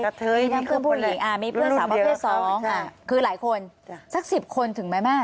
มีทั้งเพื่อนผู้หญิงมีเพื่อนสาวประเภทสองคือหลายคนสัก๑๐คนถึงไหมแม่